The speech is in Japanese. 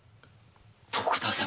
徳田様。